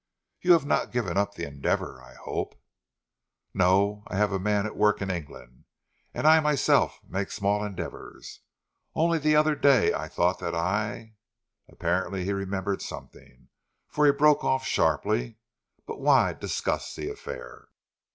"You have not given up the endeavour, I hope." "No! I have a man at work in England, and I myself make small endeavours. Only the other day I thought that I " Apparently he remembered something, for he broke off sharply. "But why discuss the affair?